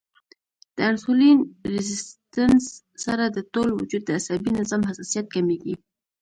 د انسولين ريزسټنس سره د ټول وجود د عصبي نظام حساسیت کميږي